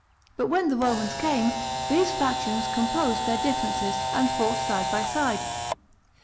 But when the Romans came, these factions composed their differences, and fought side by side.